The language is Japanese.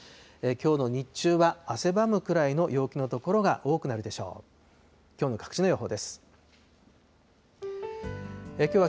きょうの日中は、汗ばむくらいの陽気の所が多くなるでしょう。